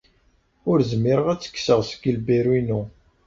Ur zmireɣ ad tt-kkseɣ seg lbal-inu.